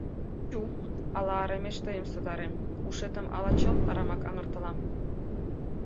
Чу, ала арамеш тыйым сотарем, ушетым ала чылт арамак аҥыртылам?